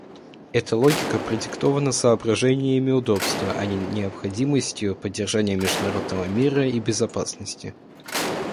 Эта логика продиктована соображениями удобства, а не необходимостью поддержания международного мира и безопасности.